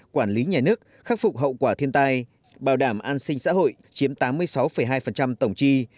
quản lý nhà nước khắc phục hậu quả thiên tai bảo đảm an sinh xã hội chiếm tám mươi sáu hai tổng chi